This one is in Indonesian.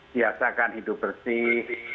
biasakan hidup bersih